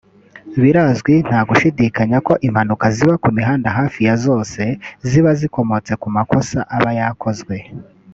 Birazwi nta gushidikanya ko impanuka ziba ku mihanda hafi ya zose ziba zikomotse ku makosa aba yakozwe